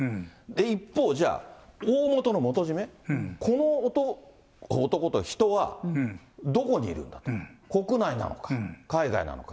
一方、じゃあ、大本の元締め、この男、人は、どこにいる、国内なのか、海外なのか。